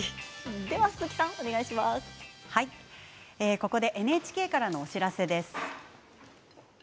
ここでＮＨＫからのお知らせです。